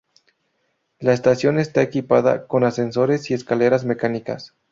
La estación está equipada con ascensores y escaleras mecánicas.